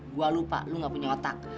gue lupa lu gak punya otak